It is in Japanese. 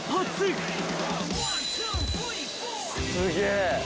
すげえ。